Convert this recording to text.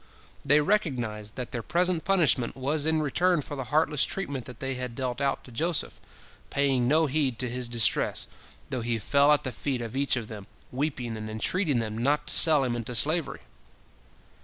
They recognized that their present punishment was in return for the heartless treatment they had dealt out to Joseph, paying no heed to his distress, though he fell at the feet of each of them, weeping, and entreating them not to sell him into slavery.